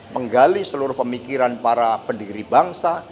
menggali seluruh pemikiran para pendiri bangsa